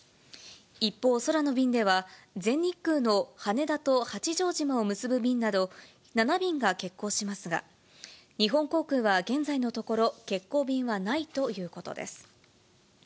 一方、空の便では、全日空の羽田と八丈島を結ぶ便など、７便が欠航しますが、日本航空は現在のところ、欠航便はないということです。